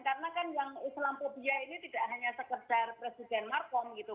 karena kan yang islamophobia ini tidak hanya sekedar presiden markom gitu